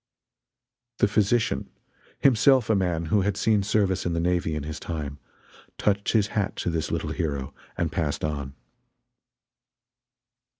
The physician himself a man who had seen service in the navy in his time touched his hat to this little hero, and passed on.